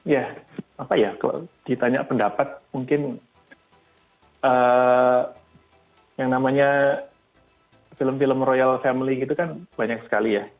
ya apa ya kalau ditanya pendapat mungkin yang namanya film film royal family gitu kan banyak sekali ya